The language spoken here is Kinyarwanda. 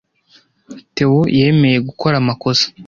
Theo yemeye gukora amakosa.